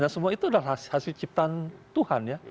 semua itu adalah hasil ciptaan tuhan